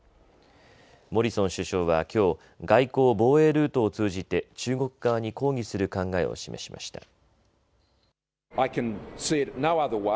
モリソン首相はきょう、外交・防衛ルートを通じて中国側に抗議する考えを示しました。